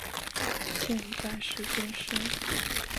现在时间是。